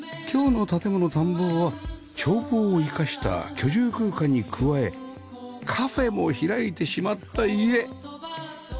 今日の『建もの探訪』は眺望を生かした居住空間に加えカフェも開いてしまった家